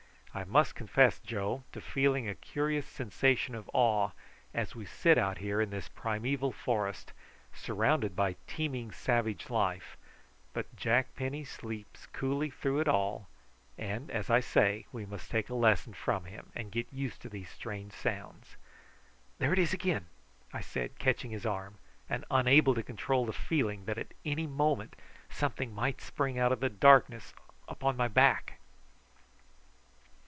"I must confess, Joe, to feeling a curious sensation of awe as we sit out here in this primeval forest, surrounded by teeming savage life; but Jack Penny coolly sleeps through it all, and, as I say, we must take a lesson from him, and get used to these strange sounds." "There it is again!" I said, catching his arm, and unable to control the feeling that at any moment something might spring out of the darkness upon my back.